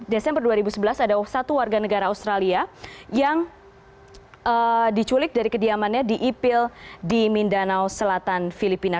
desember dua ribu sebelas ada satu warga negara australia yang diculik dari kediamannya di ipil di mindanao selatan filipina